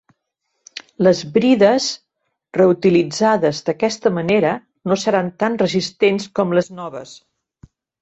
Les brides reutilitzades d'aquesta manera no seran tan resistents com les noves.